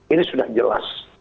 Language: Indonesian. ini sudah jelas